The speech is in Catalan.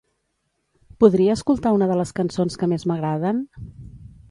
Podria escoltar una de les cançons que més m'agraden?